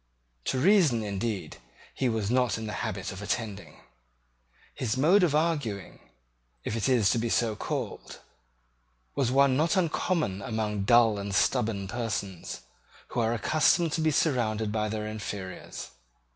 To reason, indeed, he was not in the habit of attending. His mode of arguing, if it is to be so called, was one not uncommon among dull and stubborn persons, who are accustomed to be surrounded by their inferiors.